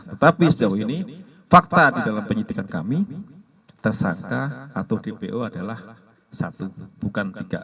tetapi sejauh ini fakta di dalam penyidikan kami tersangka atau dpo adalah satu bukan tiga